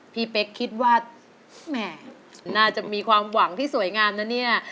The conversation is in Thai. เป๊กคิดว่าแหมน่าจะมีความหวังที่สวยงามนะเนี่ย